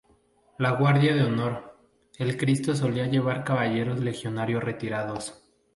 La guardia de honor: el Cristo solía llevar caballeros legionarios retirados.